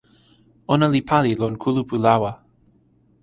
ona li pali lon kulupu lawa.